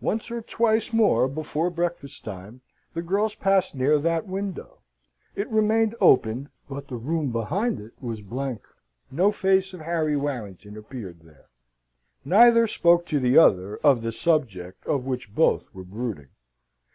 Once or twice more before breakfast time the girls passed near that window. It remained opened, but the room behind it was blank. No face of Harry Warrington appeared there. Neither spoke to the other of the subject on which both were brooding.